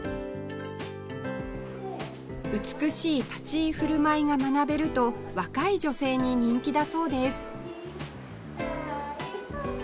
美しい立ち居振る舞いが学べると若い女性に人気だそうです